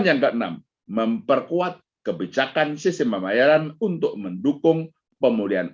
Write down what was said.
yang keenam memperkuat kebijakan sistem pembayaran untuk mendukung pemulihan